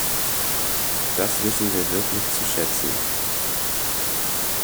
Das wissen wir wirklich zu schätzen.